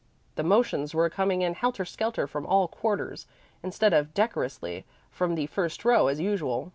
The motions were coming in helter skelter from all quarters, instead of decorously from the front row as usual.